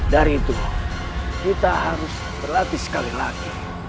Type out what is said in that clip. dari itu kita harus berlatih sekali lagi